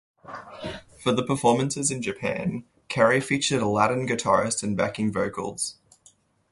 For the performances in Japan, Carey featured a Latin guitarist and backing vocals.